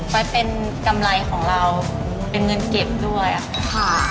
ไว้เป็นกำไรของเราเป็นเงินเก็บด้วยค่ะ